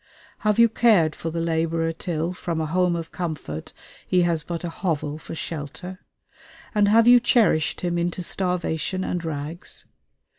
Have you cared for the laborer till, from a home of comfort, he has but a hovel for shelter? and have you cherished him into starvation and rags?